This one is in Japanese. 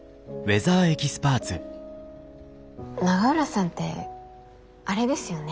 永浦さんってあれですよね。